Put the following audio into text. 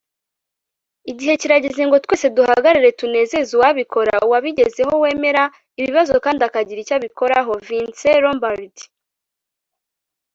igihe kirageze ngo twese duhagarare tunezeze uwabikora, uwabigezeho - wemera ibibazo kandi akagira icyo abikoraho. - vince lombardi